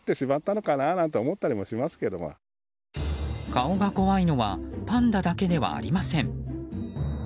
顔が怖いのはパンダだけではありません。